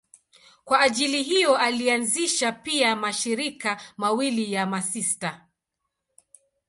Kwa ajili hiyo alianzisha pia mashirika mawili ya masista.